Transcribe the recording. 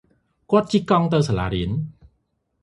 គាត់ជិះកង់ទៅសាលារៀន។